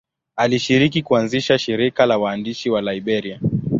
Alishiriki kuanzisha shirika la waandishi wa Liberia.